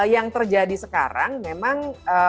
yang terjadi sekarang memang